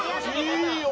いいよ！